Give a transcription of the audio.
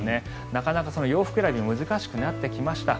なかなか洋服選びが難しくなってきました。